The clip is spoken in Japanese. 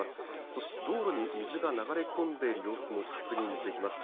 そして道路に水が流れ込んでいる様子も確認できます。